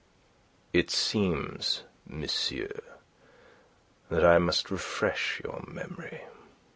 "It seems, monsieur, that I must refresh your memory."